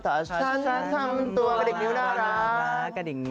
คำอึดครับ